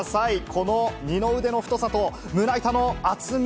この二の腕の太さと、胸板の厚み。